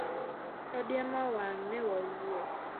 Kadiemo wang', ne wawuok.